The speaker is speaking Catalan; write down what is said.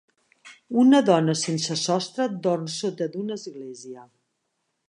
Una dona sense sostre dorm sota d'una església.